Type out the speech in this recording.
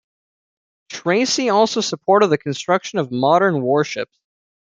Tracy also supported the construction of modern warships.